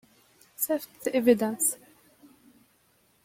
Sift the evidence.